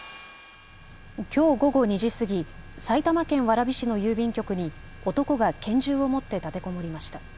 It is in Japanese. きょう午後２時過ぎ埼玉県蕨市の郵便局に男が拳銃を持って立てこもりました。